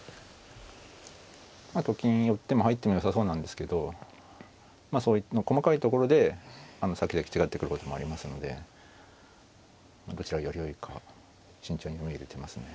と金寄っても入ってもよさそうなんですけどそういう細かいところでさきざき違ってくることもありますのでどちらがよりよいか慎重に読みを入れてますね。